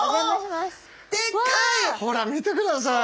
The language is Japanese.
ほら見てください。